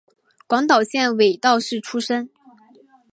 广岛县尾道市出身。